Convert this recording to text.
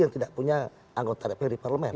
yang tidak punya anggota dpr di parlemen